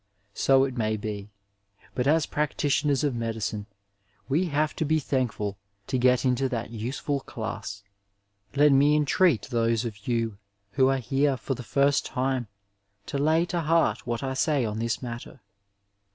So it may be, but as practitioners of medicine we have to be thankful to get into that useful class. Let me entreat those of you who are here for the first time to lay to heart what I say on this matter.